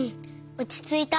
おちついた。